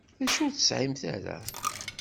D acu ur tesɛimt ara?